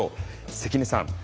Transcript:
関根さん